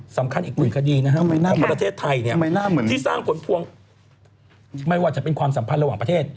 สำคัญอีกหนึ่งคดีนะครับประเทศไทยเนี่ยที่สร้างผลพวงไม่ว่าจะเป็นความสัมพันธ์ระหว่างประเทศ